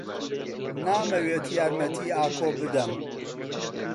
نامەوێت یارمەتیی ئاکۆ بدەم.